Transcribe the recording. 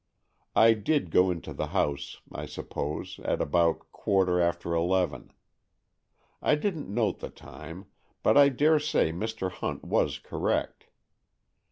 I did go into the house, I suppose, at about quarter after eleven. I didn't note the time, but I dare say Mr. Hunt was correct.